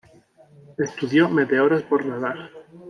Estudió meteoros por radar.